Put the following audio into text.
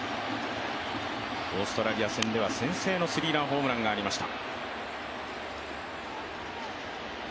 オーストラリア戦では先制のスリーランホームランがありました。